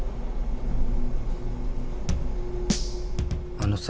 あのさ